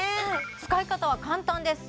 使い方は簡単です